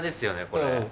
これ。